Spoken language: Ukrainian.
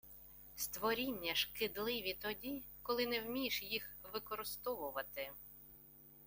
Створіння шкідливі тоді, коли не вмієш їх використовувати.